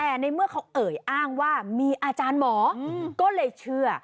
แต่ในเมื่อเขาเอ่ยอ้างว่ามีอาจารย์หมอก็เลยเชื่อ